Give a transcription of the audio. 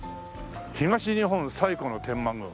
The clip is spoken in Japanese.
「東日本最古の天満宮」